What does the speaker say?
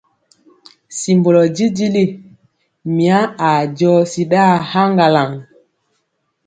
Simbɔlɔ jijili, mya aa jɔsi ɗaa haŋgalaŋ.